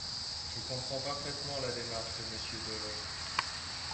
Je comprends parfaitement la démarche de Monsieur Dolez.